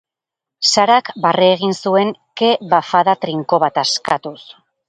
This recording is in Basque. Sarak barre egin zuen ke-bafada trinko bat askatuz.